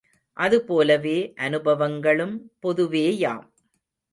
அது போலவே அனுபவங்களும் பொதுவேயாம்.